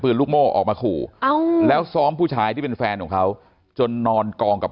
ปืนลูกโม่แล้วซ้อมผู้ชายที่เป็นแฟนของเขาจนนอนกองกับ